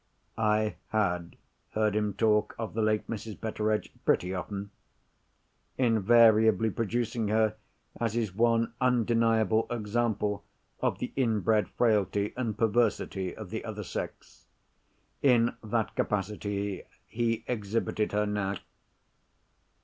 I had heard him talk of the late Mrs. Betteredge pretty often—invariably producing her as his one undeniable example of the inbred frailty and perversity of the other sex. In that capacity he exhibited her now.